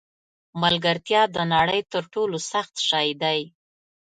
ملګرتیا د نړۍ تر ټولو سخت شی دی.